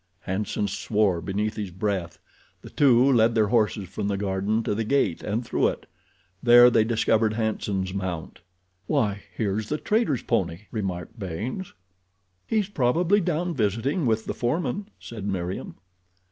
Hanson swore beneath his breath. The two led their horses from the garden to the gate and through it. There they discovered Hanson's mount. "Why here's the trader's pony," remarked Baynes. "He's probably down visiting with the foreman," said Meriem.